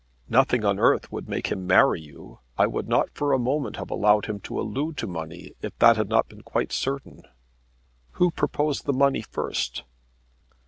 "Nothing on earth would make him marry you. I would not for a moment have allowed him to allude to money if that had not been quite certain." "Who proposed the money first?"